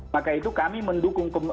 maka itu kami mendukung